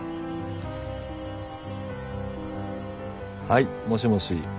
はいもしもし。